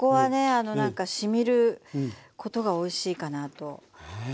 あの何かしみることがおいしいかなと思います。